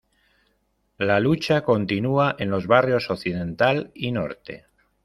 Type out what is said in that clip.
La lucha continúa en los barrios occidental y norte.